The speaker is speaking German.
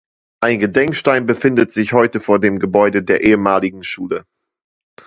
Ein Gedenkstein befindet sich heute vor dem Gebäude der ehemaligen Schule.